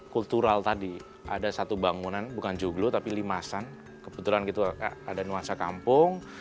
kultural tadi ada satu bangunan bukan joglo tapi limasan kebetulan gitu ada nuansa kampung